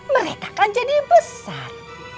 mereka akan jadi besar